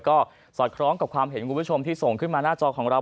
ก็สอดคล้องกับความเห็นคุณผู้ชมที่ส่งขึ้นมาหน้าจอของเรา